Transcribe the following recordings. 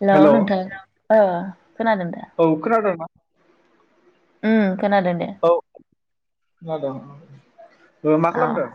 Hello hello औ नोंथां औ खोनादों दा खोनादोंना उम खोनादों दे औ जादों ओ मा अ खालामदों?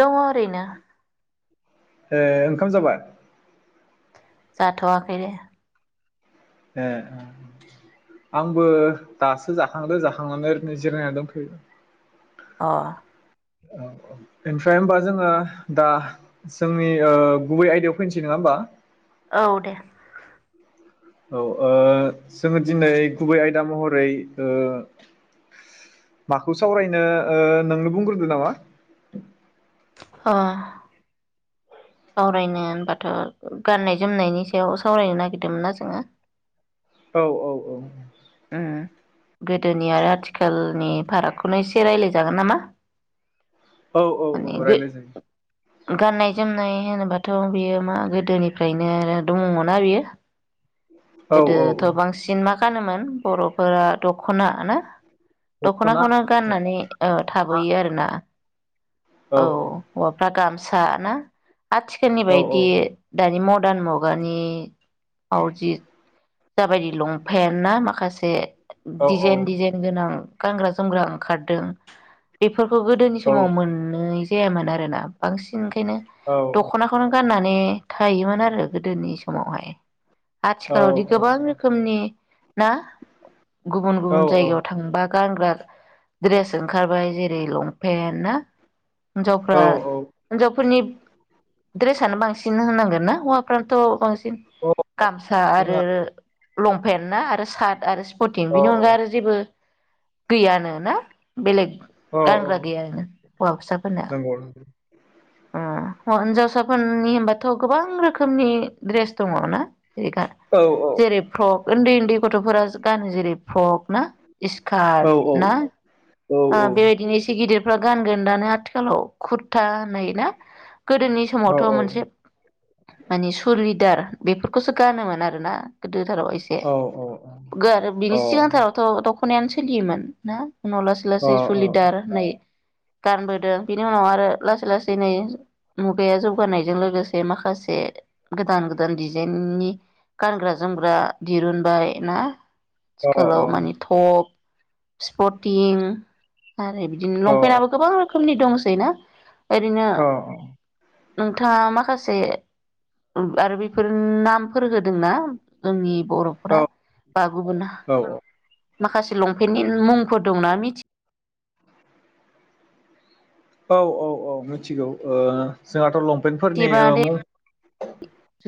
दङ ओरैनो। ए ओंखाम जाबाय? जाथवाखै दे। ए आंबो दासो जाखांदो जाखांनानै निजिरायना दोंथयो। अ। ओ औ ओनफ्राय होनबा जोङो दा जोंनि ओ गुबै आयदायाव फैनोसै नङा होमबा? औ दे। औ ओ जोङो दिनै गुबै आयदा महरै ओ माखौ सावरायनो ओ नोंनो बुंग्रोदो नामा। अ। सावरायनो होनबाथ गाननाय जोमनायनि सायाव सावरायनो नागिरदोंमोन ना जोङो औ औ औ। उम गोदोनि आरो आथिखालनि फारागखौनो एसे राय्लायजागोन नामा औ औ माने औ गो रायलाय जायो। गाननाय जोमनाय होनोबाथ बियो मा गोदोनिफ्रायनो आरो दङ मोना बियो औ औ गोदोथ औ बांसिन माख गानोमोन। बरफोरा दखना ना दख'ना दख'नाखौनो गाननानै ओ थाबोयो आरोना औ हौवाफ्रा गाम सा ना आथिखालनि औ बायदि दानि म गोदान मुगानि आवजित जाबायदि लंपेन्ट ना माखासे औ डिजाइन डिजाइन गोनां गानग्रा जोमग्रा ओंखारदों बे बेफोरखौ गोदोनि समाव मोननै जायामोन आरोना बांसि न ओंखायनो औ दख'नाखौनो गाननानै माने थायोमोन आरो गोदोनि समावहाय। औ आथिखालाव दि औ गोबां रोखोमनि ना। गुबुन औ गुबुन जायगायाव थांबा गानग्रा द्रेस ओंखारबाय जेरै लंपेन्ट ना औ हिन्जावफ्रा औ हिन्जावफोरनि ड्रेसानो बांसिन होनांगोन ना हौवाफ्रानोथ' बांसिन औ गामसा रोङा आरो लंपेन्ट ना आरो सार्ट आरो स्पथिं औ बिनि औ अनगा आरो जेबो गैयानो ना बेलेग। औ औ गानग्रा गैया आरोना हौवासाफोरना। नंगौ नंगौ अ हिनजावसाफोरनि होनबाथ' गोबां रोखोमनि द्रेस दङ ना। औ जेरै फ्रक उन्दै उन्दै गथ'फोरा गानो जेरै फ्रक ना औ स्कार्ट ना औ औ बेबायदिनो एसे गिदिर फोरा गानगोन दानो आथिखालाव खुरथा होननाय ना। गोदोनि समावथ' औ मोनसे माने सुरलिदार बेफोरखौसो गानोमोन आरोना गोदोथाराव एसे औ अ औ गार बिनि सिगांथारावथ' दख खनायानो सोलियोमोन ना। उनाव लासै लासै सुलिदार होनै गानबोदों बिनि उनाव आरो लासै लासै दिनै मुगाया जौगानायजों लोगोसे माखासे गोदान गोदान डिजाइननि गानग्रा जोमग्रा दिरुनबाय ना। सिखालाव मानि थब स्पटिं आरो बिदिनो लंपेन्टनाबो गोबां रोखोमनि दंसै ना? एरैनो नोंथाङा माखासे आरो बेफोर नामफोर होदोंना जोंनि बर'फोरा बा गुबुन हा औ माखासे लंपेन्टनि मुंफोर दंना मिथि औ औ औ मिथिगौ ओ जोंहाथ' लं एबा दे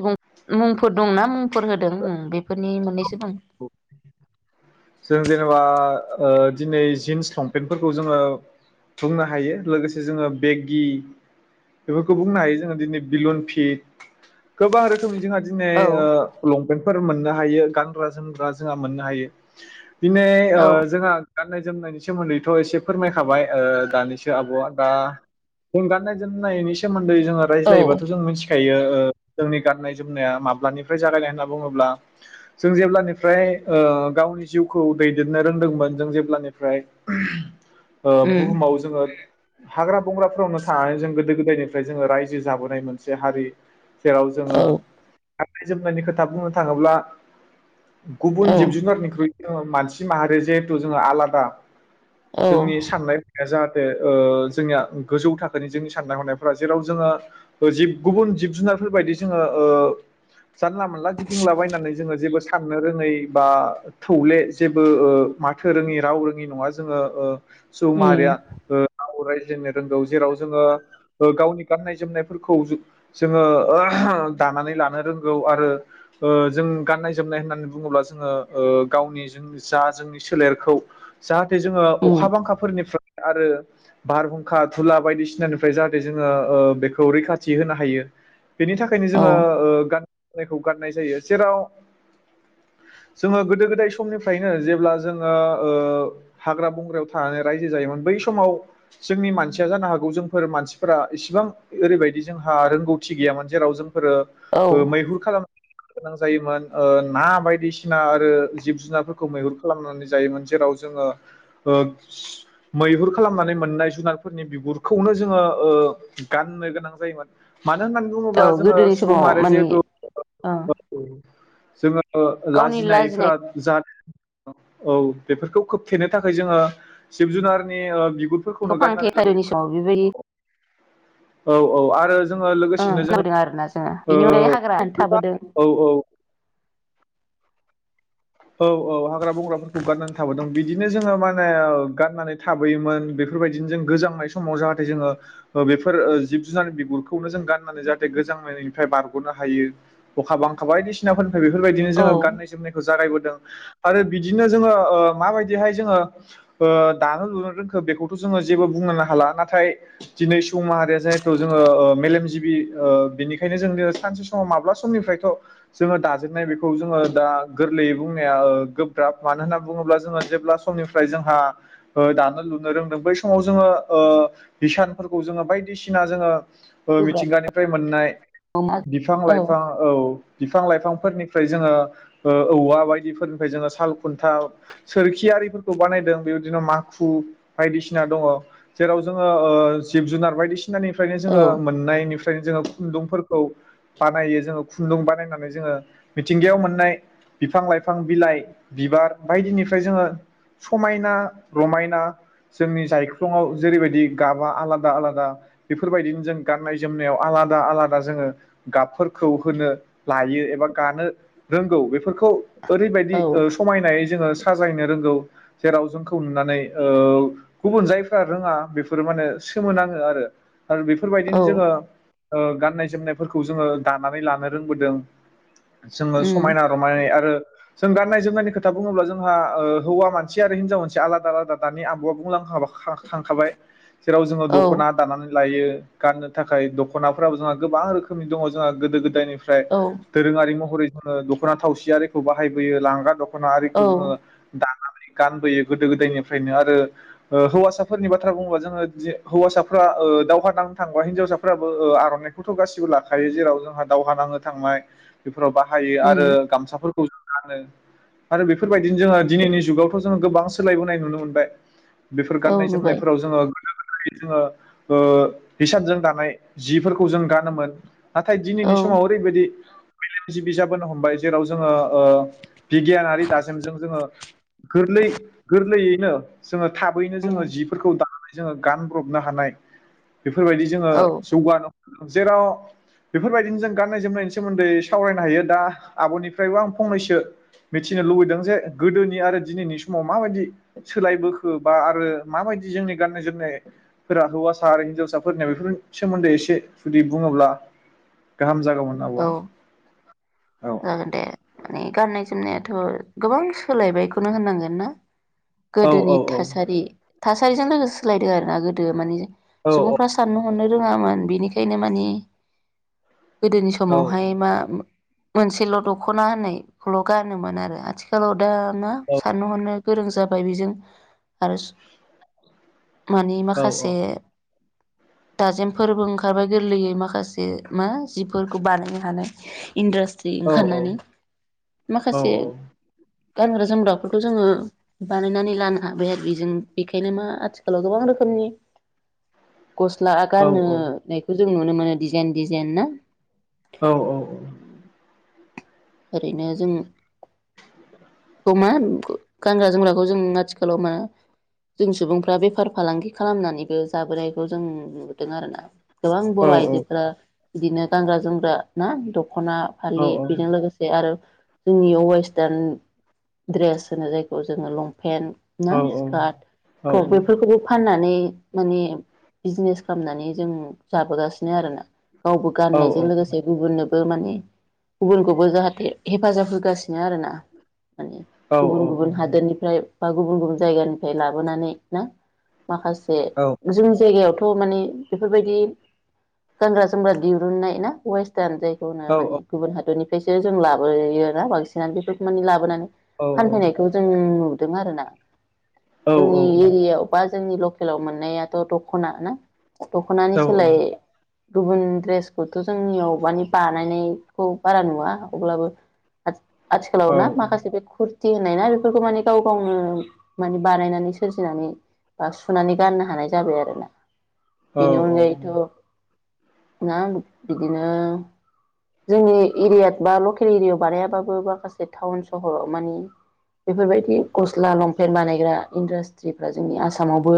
मुं मुंफोर दंना मुंफोर होदों बेफोरनि मोननैसो बुं। जों जेनेबा ओ दिनै जिन्स लंपेन्टफोरखौ जोङो बुंनो हायो लोगोसे जोङो बेगि बेफोरखौ बुंनो हायो जोङो दिनै बिलुन फिन्ट गोबां रोखोमनि जोंहा दिनै औ ओ लंपेन फोर मोननो हायो गानग्रा जोमग्रा जोंहा मोननो हायो। [inaudible] दिनै ओ औ जोंहा गाननाय जोमनायनि सोमोन्दैथ' एसे फोरमायखाबाय ओ दानिसो आब'आ दा जों गाननाय जोमनायनि सोमोन दै जोङो औ रायज्लायोबाथ' जों मिथिखायो। ओ जोंनि गाननाय जोमनाया माब्लानिफ्राय जागायनाय होनना बुङोब्ला जों जेब्लानिफ्राय ओ गावनि जिउखौ दैदेननो रोंदोंमोन जों जेब्लानिफ्राय ओ उम बुहुमाव जोङो हाग्रा बंग्राफोरावनो थानानै जों गोदो गोदायनिफ्राय जोंङो रायजो जाबोनाय मोनसे हारि। जेराव जोङो औ गाननाय जोमनायनि खोथा बुंनो थाङोब्ला गुबुन औ जिब जुनारनिख्रुइ थ मानसि माहारि जिहेथु जोङो आलादा। औ जोंनि साननाय हनाया जाहाथे बे ओ जोंनिया गोजौ थाखोनि जोंनि साननाय हनायफोरा जेराव जोङो जिब गुबुन जिब जुनारफोरबायदि जोङो ओ जानला मोनला गिदिंलाबायनानै जोङो जेबो साननो रोङै बा थौले जेबो ओ माथो रोङि राव रोङि नङा जोङो ओ सुबुं उम माहारिया ओ [inaudible] जोंनो रोंगौ जेराव जोङो ओ गावनि गाननाय जोमनायफोरखौ जों-जोङो दानानै लानो रोंगौ आरो ओ जों गाननाय जोमनाय होननानै बुङोब्ला जोङो ओ गावनि जों जा जोंनि सोलेरखौ जा जोङो उम अखा बांखाफोरनिफ्राय आरो बारहुंखा थुला बायदिसिनानिफ्राय जाहाथे जोङो ओ बेखौ रैखाथि होनो हायो। बिनि थाखायनो औ जोङो ओ गान जायखौ गाननाय जायो जेराव जोङो गोदो गोदा दाय समनिफ्रायनो जेब्ला जोङो ओ हाग्रा बंग्रायाव थानानै रायजो जायोमोन बै समाव जोंनि मानसिया जानो हागौ जोंफोर मानसिफोरा इसिबां ओरैबायदि जोंहा रोंगौथि गैयामोन जेराव जों औ फोरो मैहुर खालाम गोनां जायोमोन ओ ना बायदिसिना आरो जिब जुनारफोरखौ मैहुर खालामनानै जायोमोन जेराव जोङो ओ मैहुर खालामनानै मोननाय जुनारफोरनि बिगुरखौनो जोङो ओ गाननो गोनां जायोमोन। मानो होननानै बुङोब्ला औ जोङो गोदोनि सुबुं समाव माहारिया माने जिहेथु ओ जोङो ओ गावनि लाजिनायफोरा लाजिनायखौ औ बेफोरखौ खोबथेनो थाखाय जोङो जिब जुनारनि ओ बिग खौ फांथे [unintelligible] बेबायदि औ औ आरो जोङो ओ लोगोसेनो जोङो खोनाबोदों आरोना जोङो ओ बेनि अनगायै हाग्रा गोबां थाबोदों औ औ औ औ हाग्रा बंग्राफोरखौ गाननानै थाबोदों बिदिनो जोङो मा [unintelligible] गाननानै थाबोयोमोन बेफोरबायदिनो जों गोजांनाय समाव जाहाथे जोङो बेफोर जिब जुनार बिगुरखौनो जों गाननानै जाहाथे गोजांनायनिफ्राय बारग'नो हायो अखा बांखा बायदिसिनाफोर बेफोरबायदि औ जो गाननाय जोमनायखौ जागायबो दों आरो बिदिनो जोङो ओ माबायदिहाय जोङो ओ दानो लुनो रोंखो बेखौथ' जोङो जेबो बुंनोनो हाला नाथाय दिनै सुबुं माहारिया जाहेथु ओ जोङो मेलेमजिबि ओ बेनिखायनो जों सानसे समाव माब्ला समनिफ्रायथ' जोङो दाजेननाय बेखौ जोङो दा गोरलैयै बुंनाया ओ गोब्राब मानो होनना बुङोब्ला जोङो जेब्ला समनिफ्राय जोंहा ओ दानो लुनो रोंदों बै समाव जोङो ओ हिसानफोरखौ जोङो बायदिसिना जोङो ओ गोब्राब मिथिंगानिफ्राय मोननाय बिफां लाइफां औ बि फां लाइफांफोरनिफ्राय जोङो ओ औवा बायदिफोरनिफ्राय जोङो साल खुन्था सोरखि आरिफोरखौ बानायदों बेबायदिनो माखु बायदिसिना दङ जेराव जोङो ओ जिब जुनार बायदिसि सिनानिफ्रायनो औ जोङो मोननायनिफ नो जोङो खुन्दुंफोरखौ बानायो जोङो खुन्दुं बानायनानै जोङो मिथिंगायाव मोननाय बिफां लाइफ फां बिलाइ बिबार बायदिनिफ्राय जोङो समायना रमायना जोंनि जायख्लङाव जेरैबायदि गाबा आलादा आलादा बेफोरबायदिनो जों गाननाय जोमनायाव आलादा आलादा जोङो गाबफोरखौ होनो लायो एबा गानो रोंगौ बेफोरखौ ओरैबायदि औ ओ समायनाय जोङो सो साजायनो रोंगौ जेराव जोंखौ नुनानै ओ गुबुन जायफ्रा रोङा बेफोरो माने सोमोनाङो आरो आरो औ बेफोरबायदिनो जोङो ओ गाननाय जोमनायफोरखौ जोङो दानानै लानो रोंबोदों। जोङो उम समायना रमायनायै आरो जों गाननाय जोमनायनि खोथा बुङोब्ला जोंहा ओ हौवा मानसि आरो हिनजाव मानसि एबा आलादा आलादा दानि आब'आ बुंलांखा खा-खा-खाबाय। जेराव जोङो औ दख'ना दानानै लायो। गाननो थाखाय दख'नाफोराबो जोंहा गोबां रोखोमनि दङ जोंहा गोदो गोदायनिफ फ्राय औ दोरोङारि महरै खौनो दख'ना थावसि आरि खौ बाहायबोयो लांगा दख खना औ खरिखौ जोङो दा गानबोयो गोदो गोदायनिफ्रायनो आरो हो-हौवासाफोरनि बाथ्रा बुंबा जोङो जे हौवासाफोरा ओ दावहा नांनो थांबा हिनजावसाफोराबो ओ आर'नाइखौथ' गासिबो लाखायो जेराव जोंहा दावहा नांनो थांनाय बिफ फोराव बाहायो आरो उम गामसाफोर आरो बेफोरबायदिनो जोङो दिनैनि जुगावथ' जोङो गोबां सोलायबोनाय नुनो मोनबाय। बेफोर औ गान्नाय नुबाय जोमनायफोराव जोङो जोङो ओ हिसानजों दानाय जिफोरखौ जों गानोमोन। नाथाय औ दिनैनि समाव ओरैबायदि जि बिजि जाबोनो हमबाय जेराव जोङो ओ बिगियानारि दाजेमजों जोङो गोरलै गोरलैयैनो जोङो थाबैनो उम जोङो जिफोरखौ दानानै जोङो गानब्रबनो हानाय। बेफोरबायदि जोङो औ जौगानो जेराव बेफोरबायदिनो जों गान्नाय जोमनायनि सोमोन्दै सावरायनो हायो दा आब'निफ्रायबो आं फंनैसो मिथिनो लुबैदों जे गोदोनि आरो दिनैनि समाव माबायदि सोलायबोखो बा आरो माबायदि जोंनि गाननाय जोमनायफोरा हौवासा आरो हिनजावसाफोरनिया बेफोरनि सोमोन्दै एसे जुदि बुङोब्ला गाहाम औ जागौमोन आब' जागोन दे औ। माने गाननाय जोमनायाथ' गोबां सोलायबायखौनो होननांगोनना। औ गोदोनि थासारि थासारिजों लोगोसे सोलायदों आरोना गोदो माने औ सुबुंफ्रा साननो हनो रोङामोन बेनिखायनो माने औ समावहाय बा मोनसेल' दख'ना होननायखौल' गानोमोन आरो आथिखालाव दा ना औ सान हानो गोरों जाबाय बेजों आरो माने औ माखासे दाजेमफोरबो ओंखारबाय गोरलैयै माखासे मा जिफोर खौ बानायनो हानाय। इन्डास्ट्रि औ ओंखारनानै माखासे गानग्रा जोमग्राफोरखौ जोङो बानायनानै लानो हाबाय आरो बेजों बेखायनो मा आथिखालाव गोबां रोखोमनि गस्ला गानोनायखौ जों नुनो मोनो डिजाइन डिजाइन ना? औ औ औ। ओरैनो जों बे खौ मा गानग्रा जोमग्राखौ जों आथिखालाव मा जों सुबुंफ्रा बेफार फालांगि खालामनानैबो जाबोनायखौ जों नुदों आरोना। गोबां बर' आइजोफोरा बिदिनो गानग्रा जोमग्रा ना दख दख'ना फालि बेजों लोगोसे रो वेस्टार्न द्रेस होनो जायखौ जोङो लंपे पेन्ट ना स्कार्ट फ्रक बेफोरखौबो फाननानै माने बिजनेस खालामनानै जों जाबोगासिनो आरोना गावबो औ गाननायजों औ लोगोसे गुबुननोबो माने गुबुनखौबो जाहाथे हेफाजाब होगासिनो आरोना माने औ औ गुबुन गुबुन हादोरनिफ्राय बा गुबुन गुबुन जायगानिफ्राय लाबोनानै ना माखासे जों जायगायाव थ' माने बेफोरबायदि गानग्रा जोमग्रा दिरुननाय ना वेस्त जायखौ माने गुबुन हादरनि बेसोर जों लाबोयोना बांसिनानो बेफोरखौ माने लाबोनानै फानफैनायखौ जों नु दों आरो ना जोंनि एरियाव बा जोंनि ल लकेलाव मोननायाथ' दख'ना ना दख'नानि सोलाय गुबुन दड्रेसखौथ' जोंनि अबानि बानायनायखौ बारा नुवा अब्लाबो आ आथिखालाव ना माखासे बे खुर ख होननाय ना बेफोरखौ माने गाव गावनो माने बानायनानै सोरजिनानै बा सुनानै गाननो हानाय जाबाय आरो ना बिनि अनगायैथ' ना बिदिनो जोंनि एरिया बा लकेल एरियायाव बानायाबाबो माखासे टाउन सहराव मानि बेफोरबायदि गस्ला लंपेन्ट बानायग्रा इन्डास्ट्रिफ्रा जोंनि आसामावबो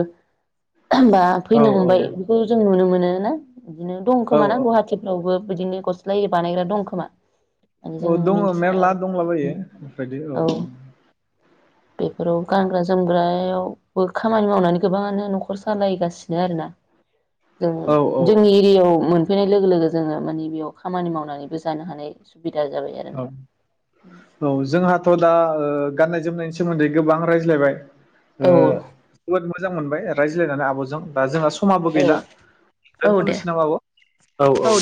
दा औ फैनो हमबाय बेखौ जों नुनो मो नो ना बिदिनो औ दंखोमा ना गुवाहाटिफ्रावबो बिदिनो गस बानायग्रा दं खोमा औ जों दङ मिथिया मेरला आरो दंलाबायो बेबायदि औ औ बेफोराव गानग्रा जोमग्रा खामानि मावनानै गोबाङानो न'खर सालायगासिनो आरोना जों औ जोंनि एरियायाव मोन सुफैनाय लोगो लोगो जोङो मानि बियाव खामानि मावनानैबो जानो हानाय सु औ औ जोंहाथ' दा ओ गाननाय जोमनायनि सोमोन्दै गोबां रायज्लायबाय औ [unintelligible] मोजां मोनबाय रायज्लायनानै आब' जों दा जोंङा स समाबो औ गैला औ दे दोनथ'नोसै नामा आब' औ औ